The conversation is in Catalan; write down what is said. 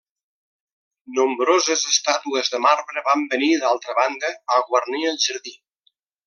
Nombroses estàtues de marbre van venir d'altra banda a guarnir el jardí.